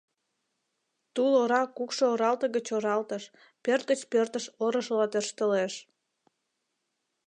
Тул ора кукшо оралте гыч оралтыш, пӧрт гыч пӧртыш орышыла тӧрштылеш.